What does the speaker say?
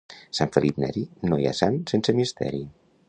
Sant Felip Neri no hi ha sant sense misteri.